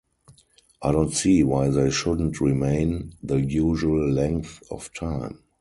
I don't see why they shouldn't remain the usual length of time.